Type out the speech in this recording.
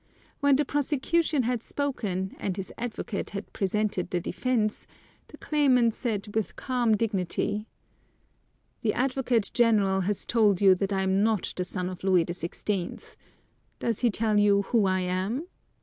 When the prosecution had spoken, and his advocate had presented the defence, the claimant said with calm dignity: "The Advocate General has told you that I am not the son of Louis the Sixteenth; does he tell you who I am?